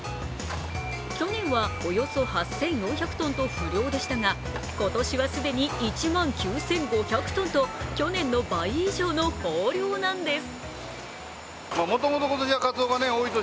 去年はおよそ８４００ｔと不漁でしたが今年は既に１万９５００トンと去年の倍以上の豊漁なんです。